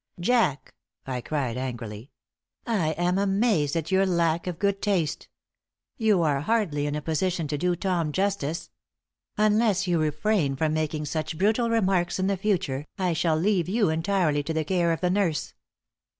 "Jack," I cried, angrily, "I am amazed at your lack of good taste. You are hardly in a position to do Tom justice. Unless you refrain from making such brutal remarks in the future, I shall leave you entirely to the care of the nurse."